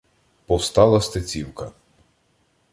— Повстала Стецівка.